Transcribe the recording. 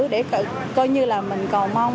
để coi như là mình còn mong